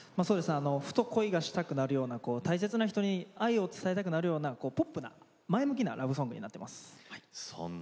ふと恋がしたくなるような大切な人に愛を伝えたくなるようなポップな前向きなラブソングになっています。